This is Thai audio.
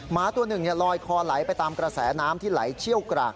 หมาตัวหนึ่งลอยคอไหลไปตามกระแสน้ำที่ไหลเชี่ยวกราก